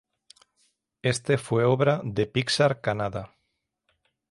Este fue obra de Pixar Canada.